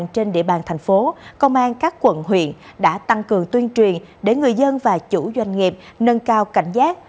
trên địa bàn thành phố công an các quận huyện đã tăng cường tuyên truyền để người dân và chủ doanh nghiệp nâng cao cảnh giác